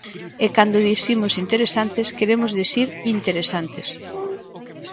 E cando dicimos interesantes queremos dicir Interesantes.